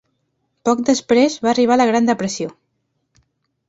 Poc després, va arribar la Gran Depressió.